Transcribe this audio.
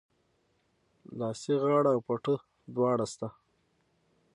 لاسي غاړه او پټو دواړه سته